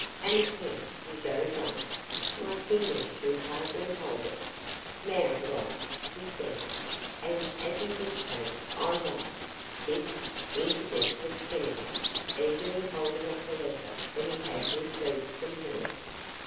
"'And a pen,' he goes on. My fingers can hardly hold it. "'Now write!' he says, and as he dictates, I write " "This?" interjected Kennedy, eagerly holding up the letter that he had received from her.